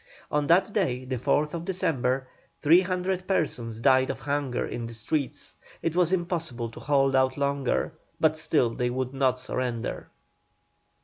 On that day, the 4th December, three hundred persons died of hunger in the streets; it was impossible to hold out longer, but still they would not surrender.